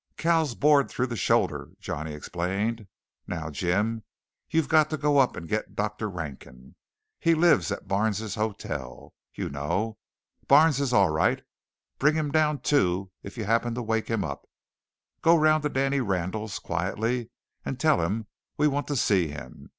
"Cal's bored through the shoulder," Johnny explained. "Now, Jim, you've got to go up and get Dr. Rankin. He lives at Barnes's hotel, you know. Barnes is all right; bring him down, too, if you happen to wake him up. Go around to Danny Randall's quietly and tell him we want to see him.